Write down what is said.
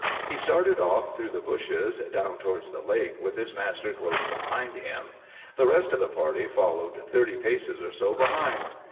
He started off through the bushes, down towards the lake, with his master close behind him. The rest of the party followed thirty paces or so behind.